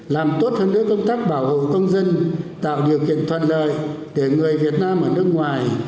làm tốt hơn nữa công tác bảo hộ công dân tạo điều kiện thuận lợi để người việt nam ở nước ngoài